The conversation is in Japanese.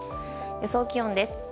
予想気温です。